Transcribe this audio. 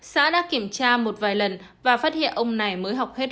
xã đã kiểm tra một vài lần và phát hiện ông này mới học hết